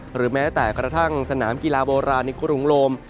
หรือแม้แต่กระทั่งสนามกีฬาโบราณในกรุงโลม